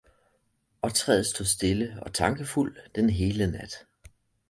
Og træet stod stille og tankefuld den hele nat.